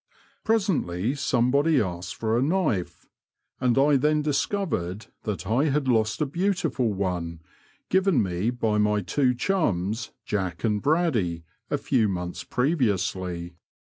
Presently somebody asked for a knife, and I then discovered that I had lost a beautiful one, given me by my two chums Jack and Braddy a few months pre viously.